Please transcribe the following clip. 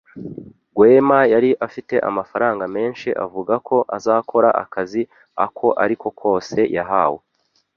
Rwema yari afite amafaranga menshi avuga ko azakora akazi ako ari ko kose yahawe.